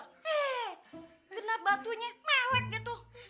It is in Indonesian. eh kenapa batunya mewek dia tuh